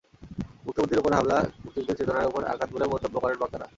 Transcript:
মুক্তবুদ্ধির ওপর হামলা মুক্তিযুদ্ধের চেতনার ওপর আঘাত বলেও মন্তব্য করেন বক্তারা।